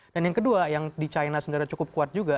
dan yang kedua yang di china sebenarnya cukup kuat juga